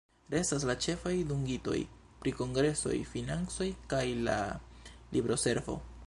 Restas la ĉefaj dungitoj pri Kongresoj, financoj kaj la libroservo.